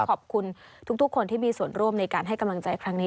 ขอบคุณทุกคนที่มีส่วนร่วมในการให้กำลังใจครั้งนี้